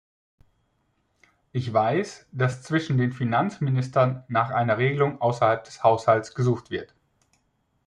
Ich weiß, dass zwischen den Finanzministern nach einer Regelung außerhalb des Haushaltes gesucht wird.